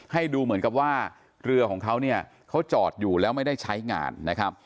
ให้ดูเหมือนกับว่าเรือของเขาเนี่ยเขาจอดอยู่แล้วไม่ได้ใช้งานนะครับ